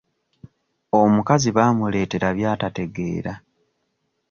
Omukazi bamuleetera by'atategeera.